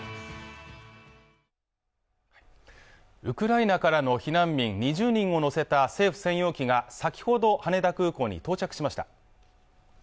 ウクライナからの避難民２０人を乗せた政府専用機が先ほど羽田空港に到着しました